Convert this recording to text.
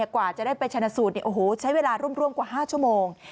กว่าจะได้ไปชนะสูตรใช้เวลาร่วมกว่า๕ชั่วโมง